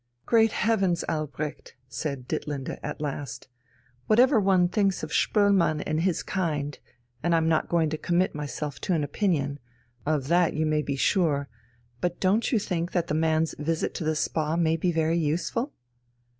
"Great heavens, Albrecht," said Ditlinde at last, "whatever one thinks of Spoelmann and his kind and I'm not going to commit myself to an opinion, of that you may be sure but don't you think that the man's visit to the Spa may be very useful?"